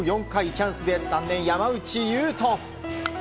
４回チャンスで３年、山内友斗。